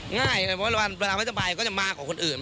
ง่ายเลยเพราะเวลาไม่สบายก็จะมากกว่าคนอื่น